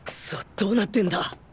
どうなってんだ！？